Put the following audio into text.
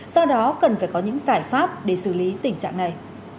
do đó cần phải có những giải pháp để xử lý tình trạng này